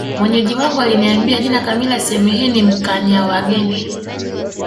Mwenyeji wangu aliniambia jina kamili la sehemu hii ni Mkanyawageni